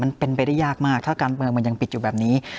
มันเป็นไปได้ยากมากถ้าการเมืองมันยังปิดอยู่แบบนี้